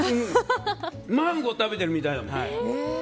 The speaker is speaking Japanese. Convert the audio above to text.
マンゴー食べてるみたいだもん。